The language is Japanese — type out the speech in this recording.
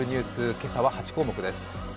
今朝は８項目です。